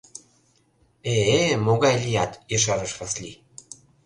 Э-э... могай лият, — ешарыш Васлий.